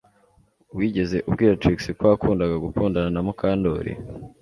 Wigeze ubwira Trix ko wakundaga gukundana na Mukandoli